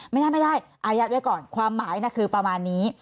ไม่ได้ไม่ได้อายัดไว้ก่อนความหมายคือประมาณนี้